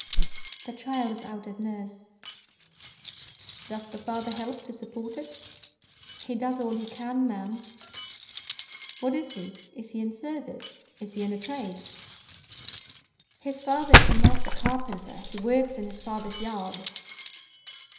"The child is out at nurse." "Does the father help to support it?" "He does all he can, ma'am." "What is he? Is he in service? Is he in a trade?" "His father is a master carpenter—he works in his father's yard."